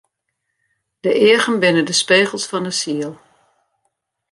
De eagen binne de spegels fan 'e siel.